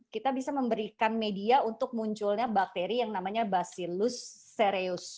kita bisa memberikan media untuk munculnya bakteri yang namanya basilus cereus